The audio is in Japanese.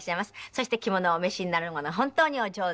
そして着物をお召しになるのが本当にお上手。